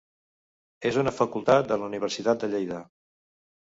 És una facultat de la Universitat de Lleida.